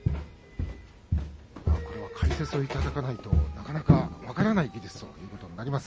これは解説をいただかないとなかなか分からない技術ということになります。